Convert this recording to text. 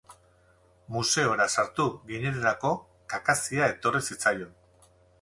Museora sartu ginenerako kakazia etorri zitzaion.